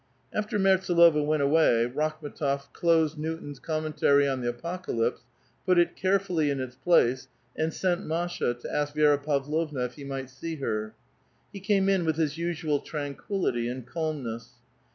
After Merts4lova went away, Rakhm^tof closed Newton's *' Commentary on the Apocalypse," put it carefully in its place, aud sent Masha to ask Vi^ra Pavlovna if he might see her. He came in with his usual tranquillity and calm ness.